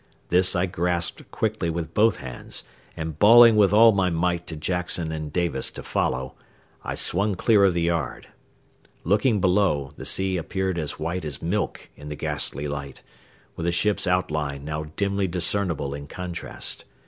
This I grasped quickly with both hands, and bawling with all my might to Jackson and Davis to follow, I swung clear of the yard. Looking below, the sea appeared as white as milk in the ghastly light, with the ship's outline now dimly discernible in contrast.